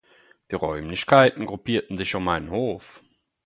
Die Räumlichkeiten gruppierten sich um einen Hof.